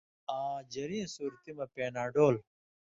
آں ژریں صُورتی مہ پېناڈول۔